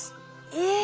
え！